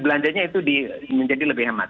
belanjanya itu menjadi lebih hemat